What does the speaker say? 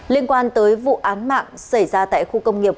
liên quan tới vụ án mạng xảy ra tại khu công nghiệp